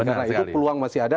karena itu peluang masih ada